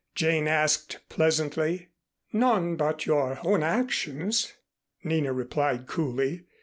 Jane asked pleasantly. "None but your own actions," Nina replied coolly.